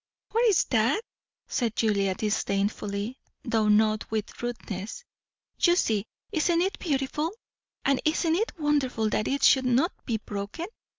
"What is that?" said Julia disdainfully, though not with rudeness. "You see. Isn't it beautiful? And isn't it wonderful that it should not be broken?